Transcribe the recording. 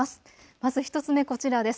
まず１つ目こちらです。